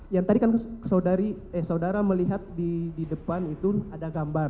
yang tadi kan saudara melihat di depan itu ada gambar